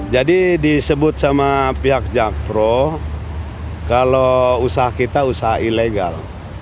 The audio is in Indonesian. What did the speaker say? jadi disebut sama pihak jakpro kalau usaha kita usaha ilegal